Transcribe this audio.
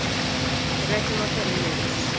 Rech mothol mit.